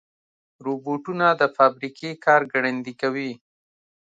روبوټونه د فابریکې کار ګړندي کوي.